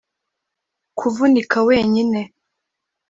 kuvunika wenyine